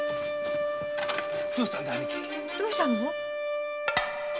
どうしたの？